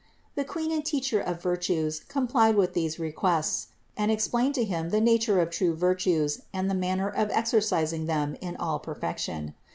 The Queen and Teacher of vir tues complied with these requests and explained to him the nature of true virtues and the manner of exercising them in all perfection.